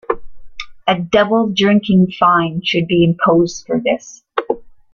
A double drinking fine should be imposed for this.